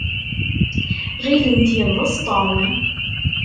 Ɣilent yeḍḍes Tom.